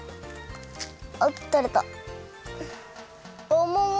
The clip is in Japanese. あっとれた。